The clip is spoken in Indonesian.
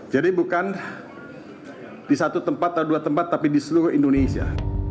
jadi bukan di satu tempat atau dua tempat tapi di seluruh indonesia